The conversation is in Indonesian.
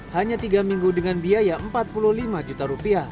hanya tiga minggu dengan biaya rp empat puluh lima juta